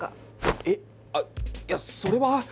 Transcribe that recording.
えっいやそれは。